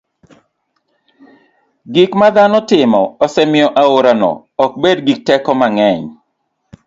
gik ma dhano timo osemiyo aorano ok bed gi teko mang'eny.